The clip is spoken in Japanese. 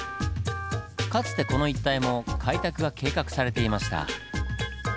かつてこの一帯も開拓が計画されていました。